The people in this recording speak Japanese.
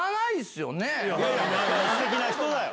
すてきな人だよ。